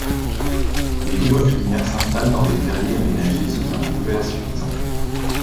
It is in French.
Les loups à crinière s'installent dans des terriers aménagés sous un couvert suffisant.